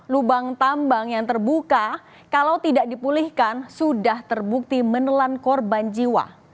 lubang tambang yang terbuka kalau tidak dipulihkan sudah terbukti menelan korban jiwa